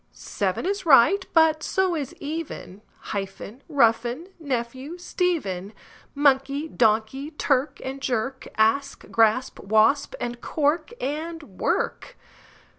Seven is right, but so is even; Hyphen, roughen, nephew, Stephen; Monkey, donkey; clerk and jerk; Asp, grasp, wasp; and cork and work.